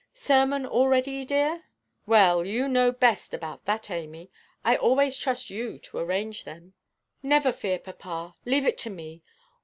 "Sermon all ready, dear?" "Well, you know best about that, Amy; I always trust you to arrange them." "Never fear, papa; leave it to me.